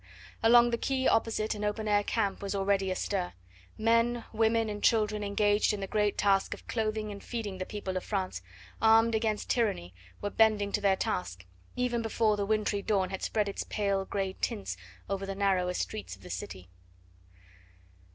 Along the quay opposite an open air camp was already astir; men, women, and children engaged in the great task of clothing and feeding the people of France, armed against tyranny, were bending to their task, even before the wintry dawn had spread its pale grey tints over the narrower streets of the city.